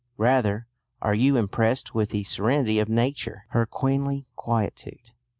Rather are you impressed with the serenity of Nature, her queenly quietude.